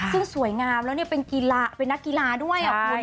ซึ่งสวยงามแล้วเป็นกีฬาเป็นนักกีฬาด้วยคุณ